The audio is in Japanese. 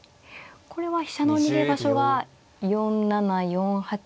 これは飛車の逃げ場所は４七４八。